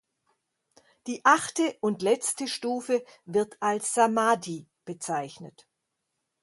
Die achte und letzte Stufe wird als Samadhi bezeichnet.